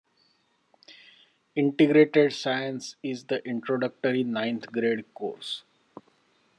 Integrated Science is the introductory ninth grade course.